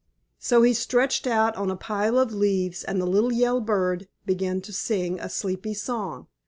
So he stretched out on a pile of leaves, and the little yellow bird began to sing a sleepy song.